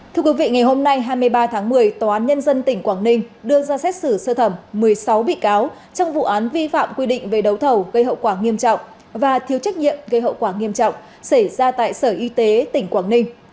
thưa quý vị ngày hôm nay hai mươi ba tháng một mươi tòa án nhân dân tỉnh quảng ninh đưa ra xét xử sơ thẩm một mươi sáu bị cáo trong vụ án vi phạm quy định về đấu thầu gây hậu quả nghiêm trọng và thiếu trách nhiệm gây hậu quả nghiêm trọng xảy ra tại sở y tế tỉnh quảng ninh